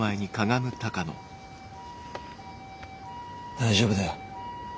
大丈夫だよ。